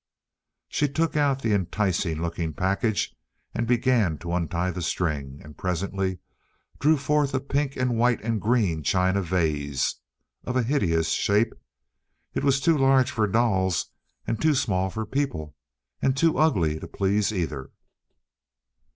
She took out the enticing looking package and began to untie the string, and presently drew forth a pink and white and green china vase of a hideous shape. It was too large for dolls, and too small for people, and too ugly to please either.